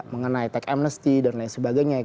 mengenai tax amnesty dan lain sebagainya